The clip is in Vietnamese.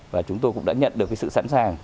và chúng tôi cũng đã nhận được cái sự sẵn sàng